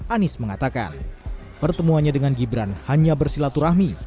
anies mengatakan pertemuannya dengan gibran hanya bersilaturahmi